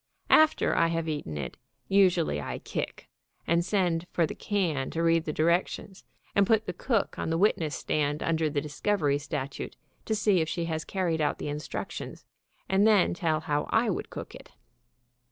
After IQ2 TERRIBLE ENCOUNTER AGAINST A BISCUIT I have eaten it, usually I kick, and send for the can to read the directions, and put the cook on the wit ness stand under the discovery statute, to see if she has carried out the instructions, and then tell how I would cook it.